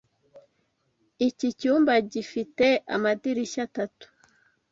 Iki cyumba gifite amadirishya atatu.